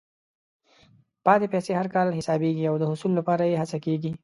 پاتې پیسې هر کال حسابېږي او د حصول لپاره یې هڅه کېږي.